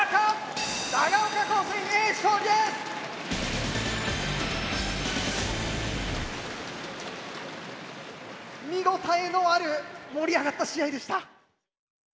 見応えのある盛り上がった試合でした。